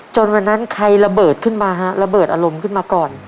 วันนั้นใครระเบิดขึ้นมาฮะระเบิดอารมณ์ขึ้นมาก่อน